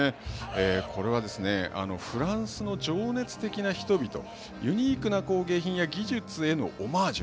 これは、フランスの情熱的な人々ユニークな工芸品や技術へのオマージュ。